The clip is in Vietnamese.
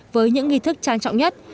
với những nghi thức trang trọng nhất